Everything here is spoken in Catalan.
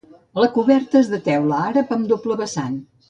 La coberta és de teula àrab amb doble vessant.